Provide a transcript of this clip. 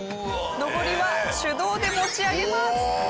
上りは手動で持ち上げます。